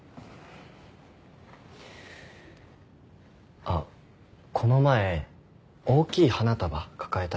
あっこの前大きい花束抱えた人電車で見て。